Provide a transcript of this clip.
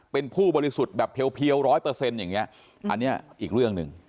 เป็นผู้บริสุทธิ์แบบเพียวร้อยเปอร์เซ็นต์อย่างนี้อันนี้อีกเรื่องหนึ่ง